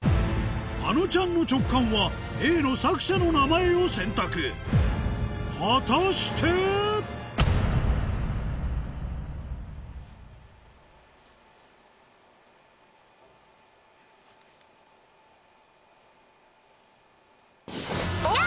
あのちゃんの直感はＡの「作者の名前」を選択果たして⁉いや！